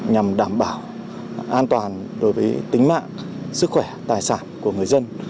nhằm đảm bảo an toàn đối với tính mạng sức khỏe tài sản của người dân